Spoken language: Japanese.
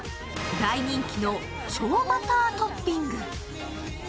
大人気の超バタートッピング。